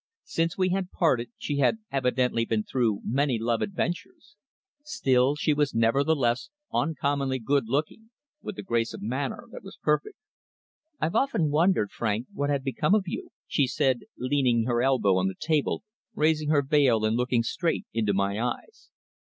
Since we had parted she had evidently been through many love adventures. Still, she was nevertheless uncommonly good looking, with a grace of manner that was perfect. "I've often wondered, Frank, what had become of you," she said, leaning her elbow on the table, raising her veil and looking straight into my eyes.